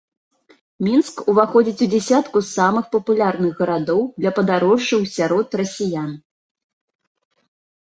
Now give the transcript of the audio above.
Мінск уваходзіць у дзясятку самых папулярных гарадоў для падарожжаў сярод расіян.